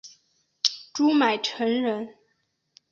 朱买臣人。